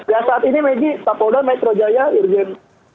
dan saat ini megi kapol dan metro jaya irvin